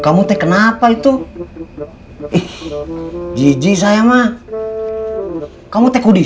kamu kenapa itu jiji saya mah kamu teku di